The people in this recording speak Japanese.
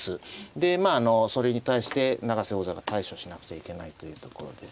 でまあそれに対して永瀬王座が対処しなくちゃいけないというところです。